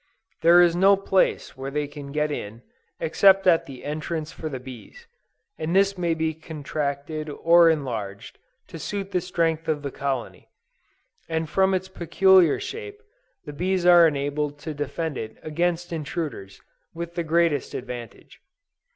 There is no place where they can get in, except at the entrance for the bees, and this may be contracted or enlarged, to suit the strength of the colony; and from its peculiar shape, the bees are enabled to defend it against intruders, with the greatest advantage.